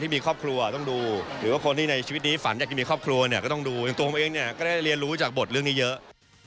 ไม่ได้รู้จากบทเรื่องนี้เยอะ